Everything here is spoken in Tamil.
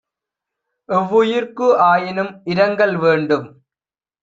எவ்வுயிர்க்கு ஆயினும் இரங்கல் வேண்டும்